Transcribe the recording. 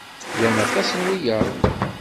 Llan aṭas n wiyaḍ.